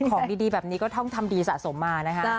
ของดีแบบนี้ก็ต้องทำดีสะสมมานะคะ